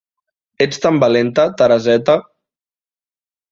Ets tan valenta, Tereseta...